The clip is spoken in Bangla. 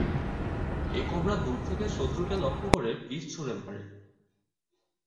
এই কোবরা দূর থেকে শত্রুকে লক্ষ্য করে বিষ ছুড়ে মারে।